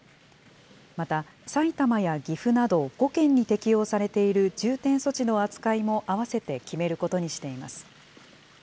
また、埼玉や岐阜など５県に適用されている重点措置の扱いも合わせて決めることにしています。